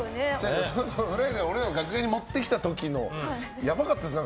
俺らの楽屋に持ってきた時のやばかったですよね